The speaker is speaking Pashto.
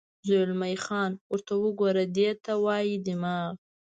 زلمی خان: ورته وګوره، دې ته وایي دماغ.